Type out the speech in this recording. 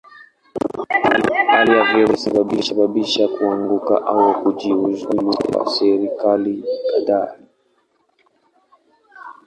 Hali ya vurugu ilisababisha kuanguka au kujiuzulu kwa serikali kadhaa.